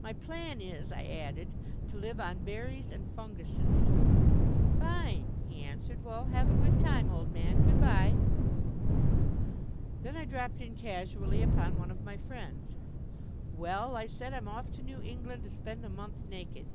"My plan is," I added, "to live on berries and funguses." "Fine," he answered. "Well, have a good time, old man good bye." Then I dropped in casually upon one of my friends. "Well," I said, "I'm off to New England to spend a month naked."